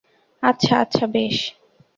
আচ্ছা আচ্ছা, বেশ!